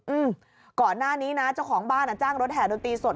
อืมก่อนหน้านี้นะเจ้าของบ้านอ่ะจ้างรถแห่ดนตรีสด